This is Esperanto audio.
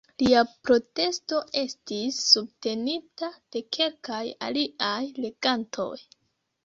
Lia protesto estis subtenita de kelkaj aliaj legantoj.